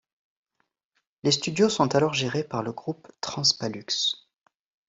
Les studios sont alors gérés par le groupe Transpalux.